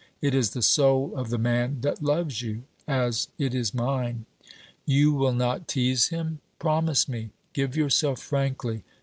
It is the soul of the man that loves you, as it is mine. You will not tease him? Promise me. Give yourself frankly.